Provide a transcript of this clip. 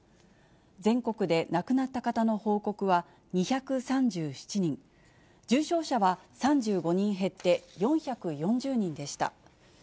全国で亡くなった方の報告は２３７人、重症者は３５人減って４４０人でした。